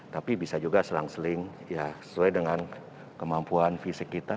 tapi bisa juga selang seling ya sesuai dengan kemampuan fisik kita